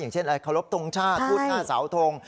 อย่างเช่นขอรบตรงชาติพูดหน้าสาวทง